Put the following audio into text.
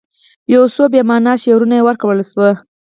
یو څو بې معنا شعارونه ورکړل شوي.